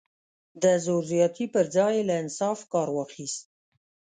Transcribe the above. د زور زیاتي پر ځای یې له انصاف کار واخیست.